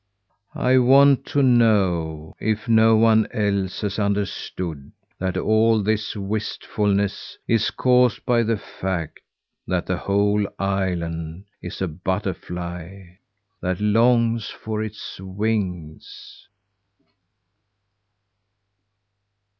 I want to know if no one else has understood that all this wistfulness is caused by the fact that the whole island is a butterfly that longs for its wings."